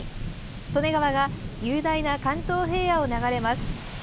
利根川が雄大な関東平野を流れます。